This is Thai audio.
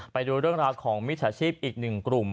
ไปดูเรื่องราวของมิจฉาชีพอีกหนึ่งกลุ่ม